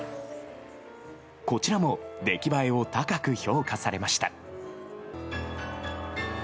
こちらも、出来栄えを高く評価されました。